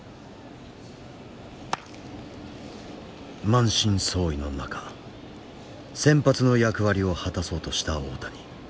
満身創痍の中先発の役割を果たそうとした大谷。